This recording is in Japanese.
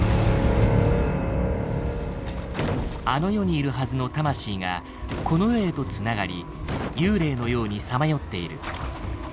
あの世にいるはずの魂がこの世へと繋がり幽霊のようにさまよっている。